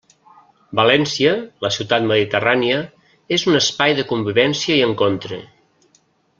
València, la ciutat mediterrània, és un espai de convivència i encontre.